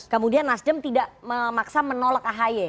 kemudian nasdem tidak memaksa menolak ahy